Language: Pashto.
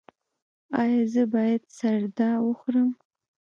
ایا زه باید سردا وخورم؟